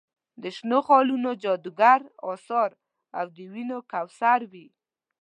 د شنو خالونو جادوګر اثر او د ونیو کوثر وي.